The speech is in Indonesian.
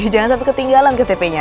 jangan sampai ketinggalan ktp nya